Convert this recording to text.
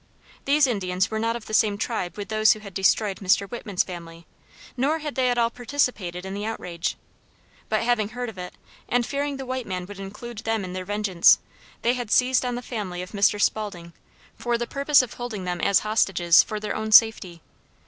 These Indians were not of the same tribe with those who had destroyed Dr. Whitman's family, nor had they at all participated in the outrage; but having heard of it, and fearing the white man would include them in their vengeance, they had seized on the family of Mr. Spaulding for the purpose of holding them as hostages for their own safety.